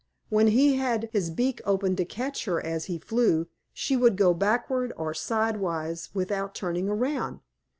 When he had his beak open to catch her as he flew, she would go backward or sidewise without turning around.